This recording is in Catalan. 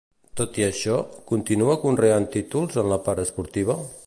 Tot i això, continua conreant títols en la part esportiva?